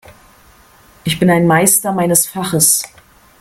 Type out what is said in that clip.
Ich bin ein Meister meines Faches.